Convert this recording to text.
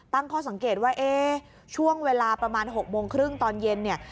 ตั้งข้อสังเกตว่าเอ๊ะช่วงเวลาประมาณ๖โมงครึ่งตอนเย็นเนี่ย